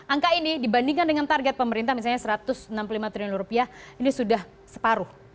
angka ini dibandingkan dengan target pemerintah misalnya satu ratus enam puluh lima triliun rupiah ini sudah separuh